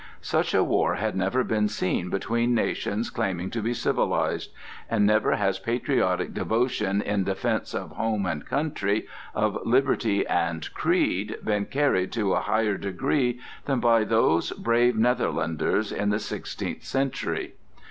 Such a war had never been seen between nations claiming to be civilized; and never has patriotic devotion in defence of home and country, of liberty and creed, been carried to a higher degree than by those brave Netherlanders in the sixteenth century.